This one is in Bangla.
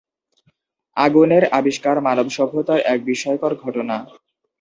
আগুনের আবিষ্কার মানবসভ্যতার এক বিস্ময়কর ঘটনা।